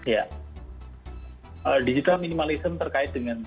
ya digital minimalism terkait dengan